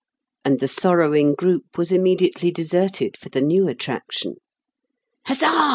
" and the sorrowing group was immediately deserted for the new attraction. *^ Huzza